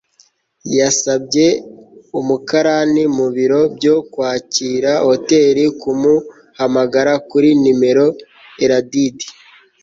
yasabye umukarani mu birori byo kwakira hoteri kumuhamagara kuri nimero. (eldad